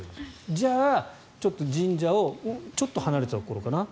じゃあ、神社をちょっと離れたところかな。